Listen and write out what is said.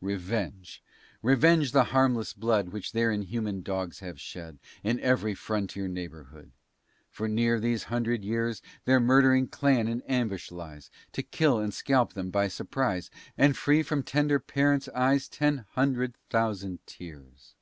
Revenge, revenge the harmless blood Which their inhuman dogs have shed In every frontier neighborhood, For near these hundred years. Their murdering clan in ambush lies, To kill and scalp them by surprize, And free from tender parents' eyes Ten hundred thousand tears.